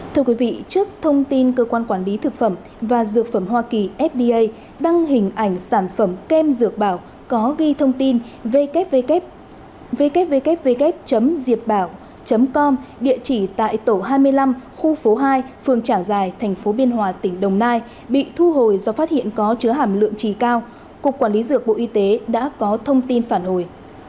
thưa quý vị trước thông tin cơ quan quản lý thực phẩm và dược phẩm hoa kỳ fda đăng hình ảnh sản phẩm kem dược bảo có ghi thông tin www diệpbảo com địa chỉ tại tổ hai mươi năm khu phố hai phường trảng giài thành phố biên hòa tỉnh đồng nai bị thu hồi do phát hiện có chứa hàm lượng trì cao cục quản lý dược bộ y tế đã có thông tin phản hồi